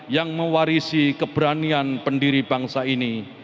yang mewarisi keberanian pendiri bangsa ini